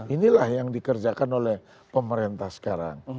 inilah yang dikerjakan oleh pemerintah sekarang